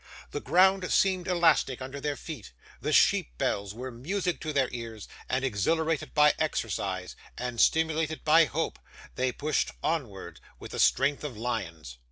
The ground seemed elastic under their feet; the sheep bells were music to their ears; and exhilarated by exercise, and stimulated by hope, they pushed onward with the strength of lions.